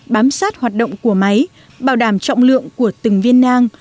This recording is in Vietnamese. bám sát hoạt động của máy bảo đảm trọng lượng của từng viên nang